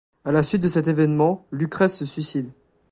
À la suite de cet événement, Lucrèce se suicide.